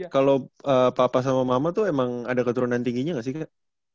kalau papa sama mama tuh emang ada keturunan tingginya nggak sih kak